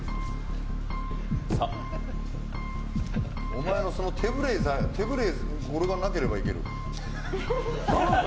お前のその手震えがなければいける。